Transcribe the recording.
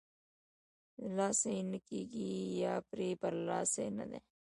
له لاسه یې نه کېږي یا پرې برلاسۍ نه دی.